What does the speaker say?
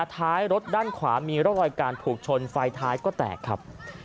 ท้ายรถด้านขวามีร่องรอยการถูกชนไฟท้ายก็แตกครับ